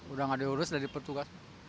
udah enggak diurus udah dipertukar